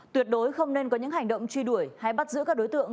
tuyệt đối không nên có những hành động truy đuổi hay bắt giữ các đối tượng